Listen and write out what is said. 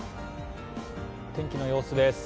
天気の様子です。